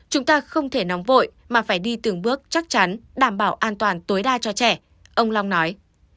chúng ta không thể nóng vội mà phải đi từng bước chắc chắn đảm bảo an toàn tối đa cho trẻ ông long nói